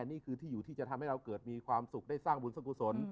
นี่คือที่อยู่ที่จะทำให้เราเกิดมีความสุขได้สร้างบุญสงกุศล